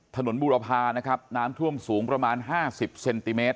ทางน้ำถ้วมสูงประมาณ๕๐เซนติเมตร